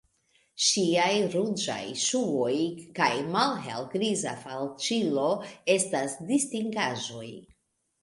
Ŝiaj ruĝaj ŝuoj kaj malhele-griza falĉilo estas distingaĵoj.